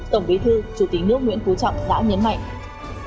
tổng bí thư chủ tịch nước nguyễn phú trọng đã nhấn mạnh